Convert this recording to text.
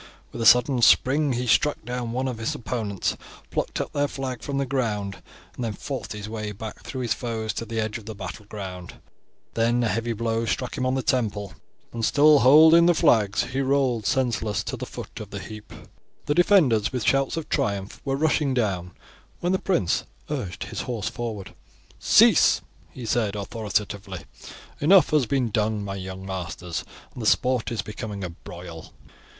With a sudden spring he struck down one of his opponents, plucked up their flag from the ground, and then fought his way back through his foes to the edge of the battleground; then a heavy blow struck him on the temple, and, still holding the flags, he rolled senseless to the foot of the heap. The defenders with shouts of triumph were rushing down when the prince urged his horse forward. "Cease!" he said authoritatively. "Enough has been done, my young masters, and the sport is becoming a broil."